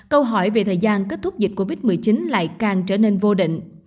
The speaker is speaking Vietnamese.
câu hỏi về thời gian kết thúc dịch covid một mươi chín lại càng trở nên vô định